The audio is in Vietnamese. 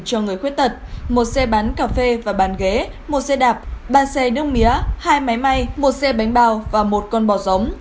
cho người khuyết tật một xe bán cà phê và bàn ghế một xe đạp ba xe nước mía hai máy may một xe bánh bao và một con bò giống